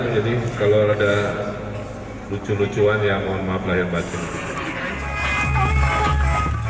jadi kalau ada lucu lucuan ya mohon maaf lahir baca